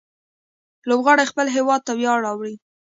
لوبغاړي خپل هيواد ته ویاړ راوړي.